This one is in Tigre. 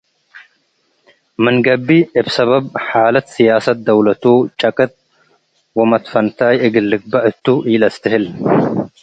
ምን ገብእ እብ ሰበብ ሓለት ስያሰት ደውለቱ ጨቅጥ ወመትፈንታይ እግል ልግበእ እቱ ኢለአስትህል።